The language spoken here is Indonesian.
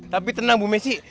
tapi tenang bu messi